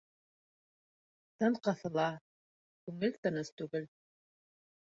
Тын ҡыҫыла, күңел тыныс түгел.